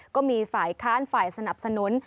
ก็มีฝ่ายค้านฝ่ายสนับสนุน